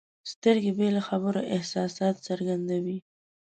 سترګې بې له خبرو احساسات څرګندوي.